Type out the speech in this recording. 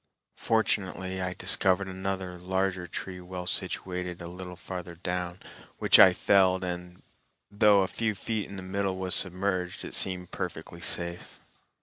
Fortunately, I discovered another larger tree well situated a little farther down, which I felled, and though a few feet in the middle was submerged, it seemed perfectly safe.